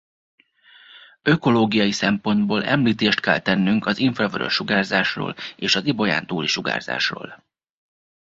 Ökológiai szempontból említést kell tennünk az Infravörös sugárzásról és az Ibolyántúli sugárzásról.